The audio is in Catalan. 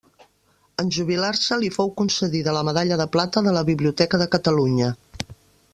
En jubilar-se li fou concedida la medalla de plata de la Biblioteca de Catalunya.